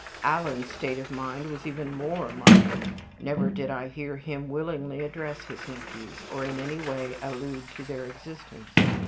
Alan's state of mind was even more marked. Never did I hear him willingly address his nephews, or in any way allude to their existence.